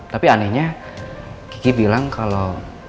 tapi anehnya kiki bilang kalau